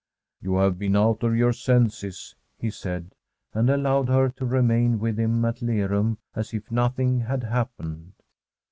* You have been out of your senses,' he said, and allowed her to remain with him at Lerum as if nothing had happened.